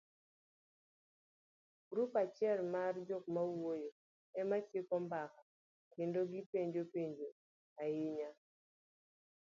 Grup achiel mar jokmawuoyo ema chiko mbaka kendo gipenjo penjo ahinya,